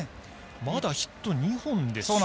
まだヒット２本です。